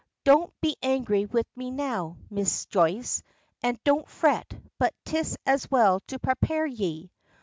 Don't be angry wid me now, Miss Joyce, an' don't fret, but 'tis as well to prepare ye."